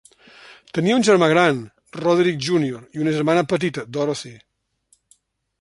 Tenia un germà gran, Roderick Junior i una germana petita, Dorothy.